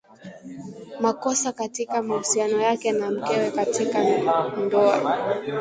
makosa katika mahusiano yake na mkewe katika ndoa